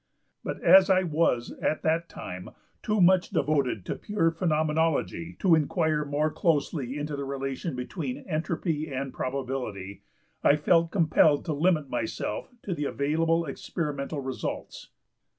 But as I was at that time too much devoted to pure phenomenology to inquire more closely into the relation between entropy and probability, I felt compelled to limit myself to the available experimental results.